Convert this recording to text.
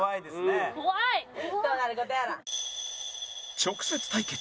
直接対決